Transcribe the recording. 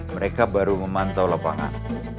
mereka baru memantau lapangan